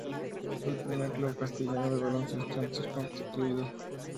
Fue el primer club castellano de baloncesto en ser constituido.